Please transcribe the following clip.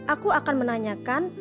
aku akan menanyakan